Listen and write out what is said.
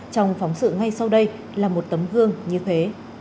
trong phóng sự ngay sau đây là một tấm gương như thế